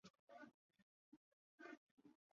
内斯屈。